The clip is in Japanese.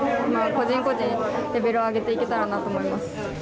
個人個人レベルを上げていけたらなと思います。